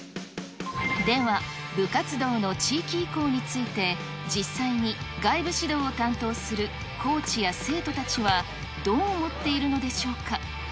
では、部活動の地域移行について、実際に外部指導を担当する、コーチや生徒たちはどう思っているのでしょうか。